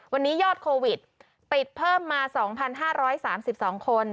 วันนี้ยอดโควิดติดเพิ่มมา๒๕๓๒คน